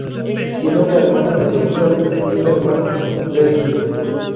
Tiene una hermana, Elisabeth, y un hermano, Leslie.